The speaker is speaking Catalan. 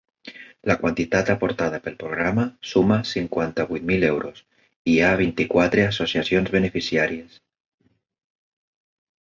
La quantitat aportada pel programa suma cinquanta-vuit mil euros i hi ha vint-i-quatre associacions beneficiàries.